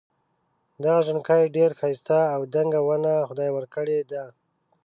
دغه ژڼکی ډېر ښایسته او دنګه ونه خدای ورکړي ده.